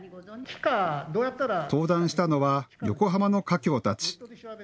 登壇したのは横浜の華僑たち。